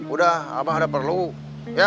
udah abah ada perlu ya